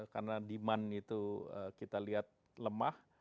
karena demand itu kita lihat lemah